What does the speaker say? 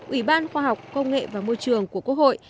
ủy ban khoa học công nghệ và môi trường của quốc hội